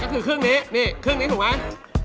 ก็คือครึ่งนี้นี่ครึ่งนี้ถูกไหม